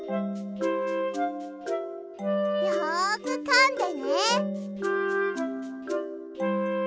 よくかんでね。